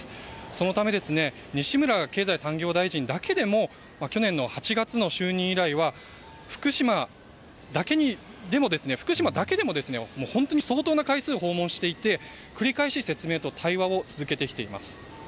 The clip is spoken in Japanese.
そのため西村経済産業大臣だけでも去年の８月の就任以来福島だけでも本当に相当な回数を訪問していて繰り返し説明と対話を続けてきています。